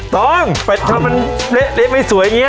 ต้องทำมันเละไม่สวยอย่างนี้